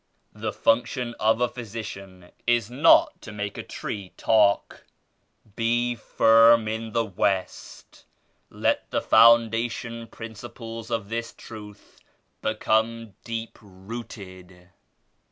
The function of a t)hys*cian i^ not to make a tree talk." ,^j .. .t^^ : "Be firm in the West! Let the foundation principles of this Truth become deep rooted.